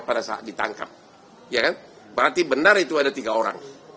karena pada saat ditangkap ya kan berarti benar itu ada tiga orang